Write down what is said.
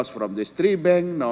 karena dari tiga bank ini